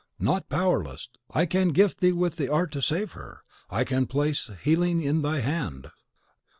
"Not powerless; I can gift thee with the art to save her, I can place healing in thy hand!"